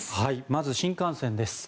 まず新幹線です。